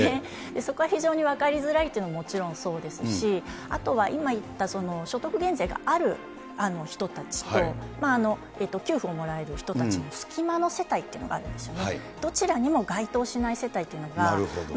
そこは非常に分かりづらいというのはもちろんそうですし、あとはいったその所得減税がある人たちと、給付をもらえる人たちの隙間乗せたいっていうのがあるんですよね。